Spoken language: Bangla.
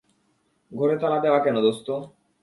ঘরে তালা দেয়া কেন, দোস্ত?